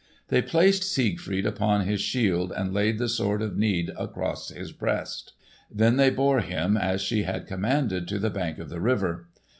They placed Siegfried upon his shield and laid the Sword of Need across his breast. Then they bore him as she had commanded to the bank of the river.